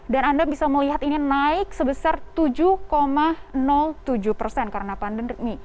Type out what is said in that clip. dan anda bisa melihat ini naik sebesar tujuh tujuh persen karena pandemi